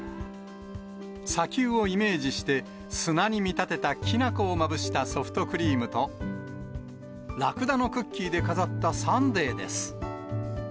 砂丘をイメージして、砂に見立てたきな粉をまぶしたソフトクリームと、ラクダのクッキーで飾ったサンデーです。